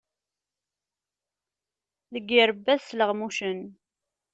Deg yirebbi ad sleɣmucen.